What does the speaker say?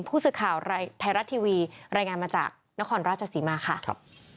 ผู้สื่อข่าวไทยรัฐทีวีรายงานมาจากนครราชศรีมาค่ะครับ